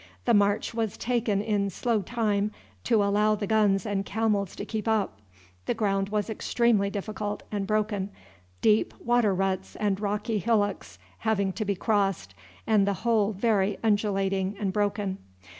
The march was taken in slow time to allow the guns and camels to keep up. The ground was extremely difficult and broken, deep water ruts and rocky hillocks having to be crossed, and the whole very undulating and broken.